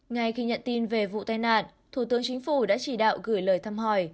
ngay khi nhận tin về vụ tai nạn thủ tướng chính phủ đã chỉ đạo gửi lời thăm hỏi